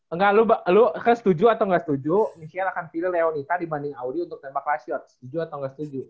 enggak lu kan setuju atau gak setuju michelle akan pilih leonita dibanding audi untuk tembak last shot setuju atau gak setuju